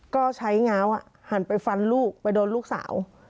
ก็ใช้ง้าวหันไปฟันลูกไปโดนลูกสาว